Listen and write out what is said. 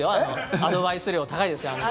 アドバイス料、高いですよ。